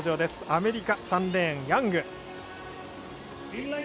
アメリカ、３レーン、ヤング。